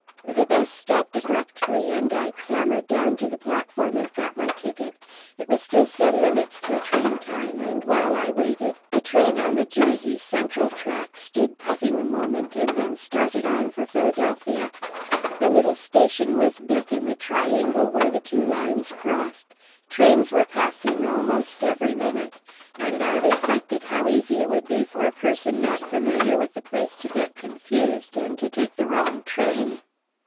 The 'bus stopped abruptly, and I clambered down to the platform and got my ticket. It was still some minutes till train time, and while I waited, a train on the Jersey Central tracks stood puffing a moment, and then started on for Philadelphia. The little station was built in the triangle where the two lines crossed; trains were passing almost every minute, and I reflected how easy it would be for a person not familiar with the place to get confused and to take the wrong train.